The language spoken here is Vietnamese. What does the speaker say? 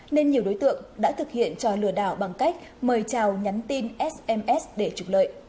nên nhiều đối tượng đã thực hiện tròi lừa đảo bằng cách mời trào nhắn tin sms để trục lợi